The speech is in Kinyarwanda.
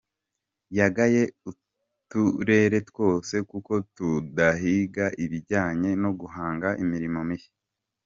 Yagaye uturere twose kuko tudahiga ibijyanye no guhanga imirimo mishya.